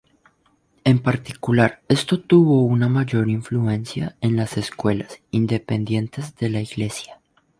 En particular, esto tuvo una mayor influencia en las escuelas, dependientes de la iglesia.